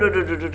duh duh duh